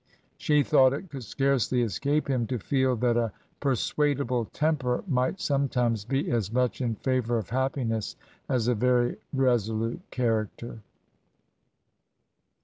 ... She thought it could scarcely escape him to fed that a persuadable temper might sometimes be as much in favor of happiness as a very resolute character."